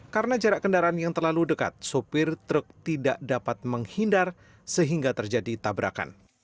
karena jarak kendaraan yang terlalu dekat sopir truk tidak dapat menghindar sehingga terjadi tabrakan